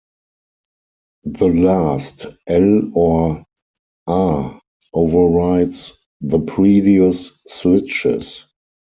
The last 'l' or 'r' overrides the previous switches.